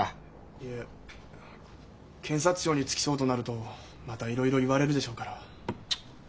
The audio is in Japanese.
いえ検察庁に付き添うとなるとまたいろいろ言われるでしょうから。